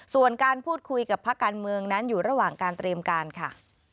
ส่วนการพูดคุยกับภาคการเมืองนั้นอยู่ระหว่างการเตรียมการค่ะ